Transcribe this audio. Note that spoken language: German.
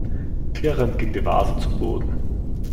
Klirrend ging die Vase zu Boden.